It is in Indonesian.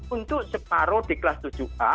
untuk separoh di kelas tujuh a